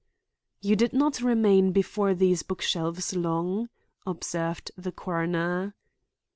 "You did not remain before these book shelves long?" observed the coroner.